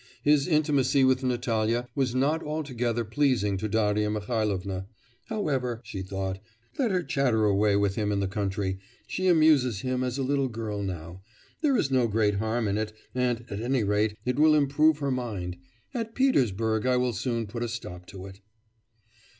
His intimacy with Natalya was not altogether pleasing to Darya Mihailovna. 'However,' she thought, 'let her chatter away with him in the country. She amuses him as a little girl now. There is no great harm in it, and, at any rate, it will improve her mind. At Petersburg I will soon put a stop to it.